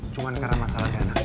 cuma karena masalah dana